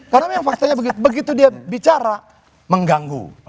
karena yang faktanya begitu dia bicara mengganggu